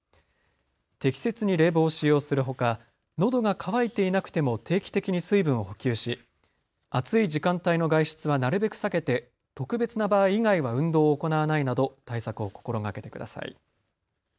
適切に冷房を使用するほかのどが渇いていなくても定期的に水分を補給し暑い時間帯の外出はなるべく避けて特別な場合以外は運動を行わないなど対策を心がけてください。